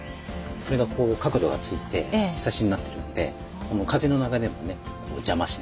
これが角度がついてひさしになってるんで風の流れも邪魔しない。